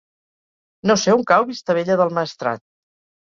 No sé on cau Vistabella del Maestrat.